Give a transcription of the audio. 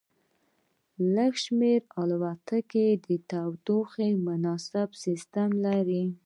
لږ شمیر الوتکې د تودوخې مناسب سیستم لري